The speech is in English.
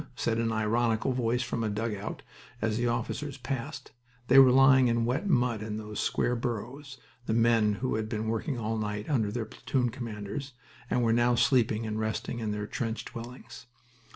said an ironical voice from a dugout, as the officers passed. They were lying in wet mud in those square burrows, the men who had been working all night under their platoon commanders, and were now sleeping and resting in their trench dwellings.